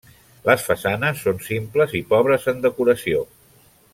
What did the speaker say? Les façanes són simples i pobres en decoració.